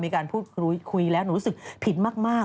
มีการคุยแล้วหนูรู้สึกผิดมาก